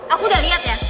aku udah lihat ya